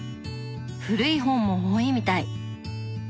古い本も多いみたい。